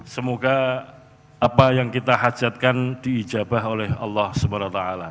semoga apa yang kita hajatkan diijabah oleh allah swt